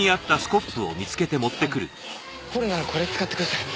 掘るならこれ使ってください。